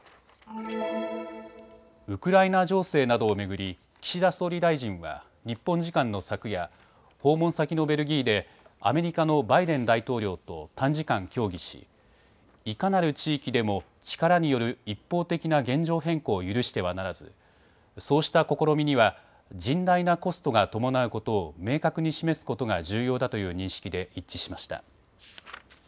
ウクライナ情勢などを巡り岸田総理大臣は日本時間の昨夜、訪問先のベルギーでアメリカのバイデン大統領と短時間、協議しいかなる地域でも力による一方的な現状変更を許してはならずそうした試みには甚大なコストが伴うことを明確に示すことが重要だという認識で一致しました。